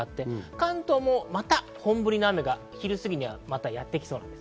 関東はまた本降りの雨が昼過ぎにやってきそうです。